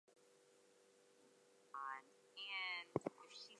He based his likenesses on photographs.